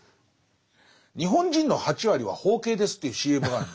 日本人の８割は包茎ですっていうＣＭがあるの。